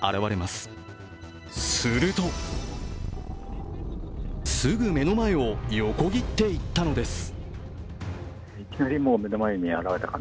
するとすぐ目の前を横切っていったのです。